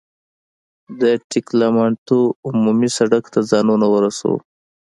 د ټګلیامنتو عمومي سړک ته ځانونه ورسوو.